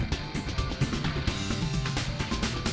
kedua dengan mengonsumsi daging hewan yang positif terkena antraks